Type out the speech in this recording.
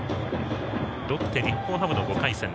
ロッテ、日本ハムの５回戦。